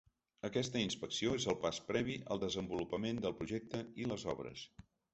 Aquesta inspecció és el pas previ al desenvolupament del projecte i les obres.